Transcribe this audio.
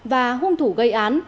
và hung thủ gây án